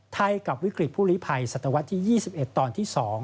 ให้กับวิกฤตผู้ลิภัยศตวรรษที่๒๑ตอนที่๒